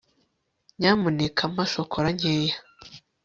nyamuneka mpa shokora nkeya